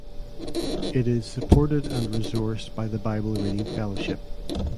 It is supported and resourced by the Bible Reading Fellowship.